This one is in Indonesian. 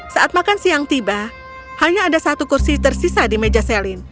saat makan siang tiba hanya ada satu kursi tersisa di meja selin